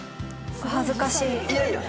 お恥ずかしい。